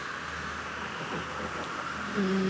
うん。